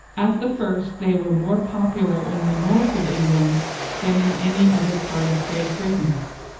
At the first they were more popular in the North of England than in any other part of Great Britain.